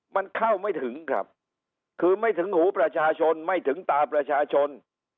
มันเข้าไม่ถึงครับคือไม่ถึงหูประชาชนไม่ถึงตาประชาชน